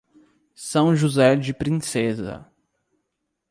São José de Princesa